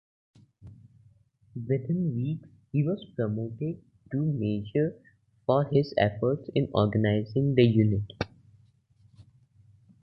Within weeks he was promoted to major for his efforts in organizing the unit.